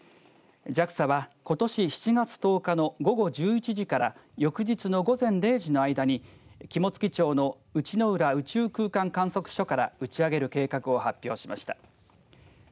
ＪＡＸＡは、ことし７月１０日の午後１１時からよくじつの午前０時の間に肝付町の内之浦宇宙空間観測所から打ち上げる計画を発表しました。